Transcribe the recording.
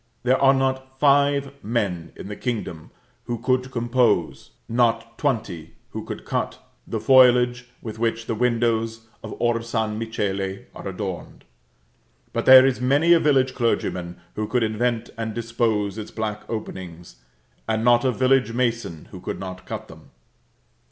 There are not five men in the kingdom who could compose, not twenty who could cut, the foliage with which the windows of Or San Michele are adorned; but there is many a village clergyman who could invent and dispose its black openings, and not a village mason who could not cut them.